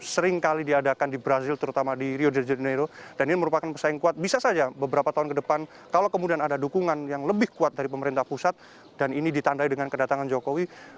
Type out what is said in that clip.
seringkali diadakan di brazil terutama di rio de janeiro dan ini merupakan pesaing kuat bisa saja beberapa tahun ke depan kalau kemudian ada dukungan yang lebih kuat dari pemerintah pusat dan ini ditandai dengan kedatangan jokowi